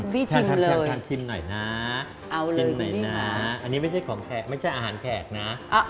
พี่ชิมเลยชิมหน่อยนะอันนี้ไม่ใช่ของแขกไม่ใช่อาหารแขกนะ